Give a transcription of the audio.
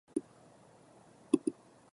だそい ｈｓｄｇ ほ；いせるぎ ｌｈｓｇ